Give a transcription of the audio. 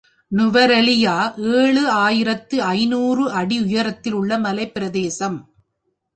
நுவாரலியா ஏழு ஆயிரத்து ஐநூறு அடி உயரத்தில் உள்ள மலைப் பிரதேசம்.